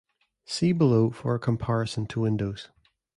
See below for a comparison to Windows.